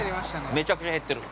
◆めちゃくちゃ減ってる。